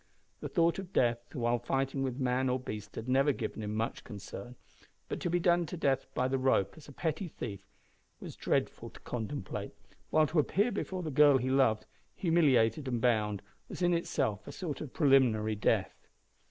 The thought of death while fighting with man or beast had never given him much concern, but to be done to death by the rope as a petty thief was dreadful to contemplate, while to appear before the girl he loved, humiliated and bound, was in itself a sort of preliminary death.